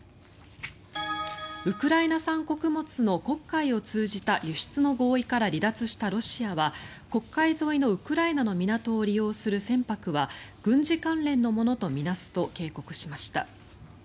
ウクライナ産穀物の黒海を通じた輸出の合意から離脱したロシアは黒海沿いのウクライナの港を利用する船舶は軍事関連のものと見なすと警告しました。